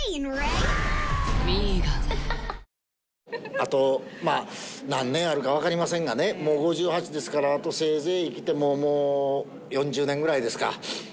あとまあ、何年あるか分かりませんがね、もう５８ですから、あとせいぜい生きてももう、４０年ぐらいですか。